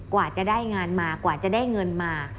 กว่าจะได้งานมากว่าจะได้เงินมา